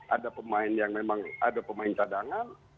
ada pemain yang memang ada pemain cadangan